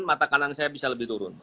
mata kanan saya bisa lebih turun